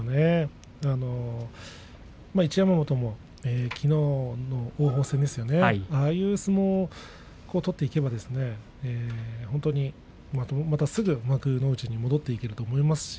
一山本も、きのう王鵬戦ああいう相撲を取っていけばまたすぐに幕内に戻っていけると思います。